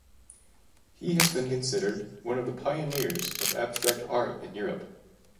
He has been considered one of the pioneers of abstract art in Europe.